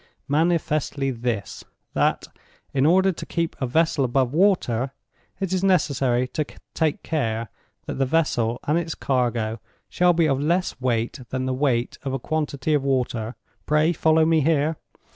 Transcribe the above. Manifestly this: That, in order to keep a vessel above water, it is necessary to take care that the vessel and its cargo shall be of less weight than the weight of a quantity of water—pray follow me here!